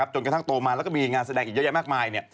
จนกระทั่งโตมาแล้วก็มีงานแสดงอีกเยอะแยะมากมาย